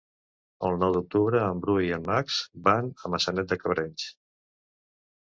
El nou d'octubre en Bru i en Max van a Maçanet de Cabrenys.